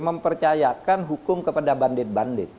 mempercayakan hukum kepada bandit bandit